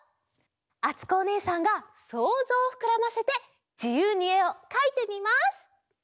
あつこおねえさんがそうぞうをふくらませてじゆうにえをかいてみます！